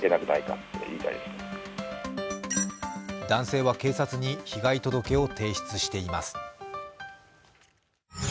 男性は、警察に被害届を提出しています。